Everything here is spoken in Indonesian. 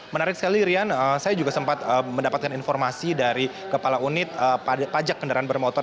menarik sekali rian saya juga sempat mendapatkan informasi dari kepala unit pajak kendaraan bermotor